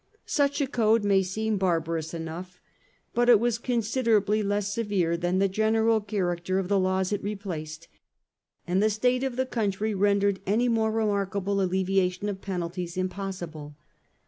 Such a code may seem barbarous enough, but it was considerably less severe than the general character of the laws it replaced, and the state of the country rendered any more remark able alleviation of penalties impossible.